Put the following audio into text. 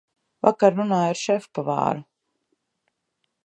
Vakar runāju ar šefpavāru.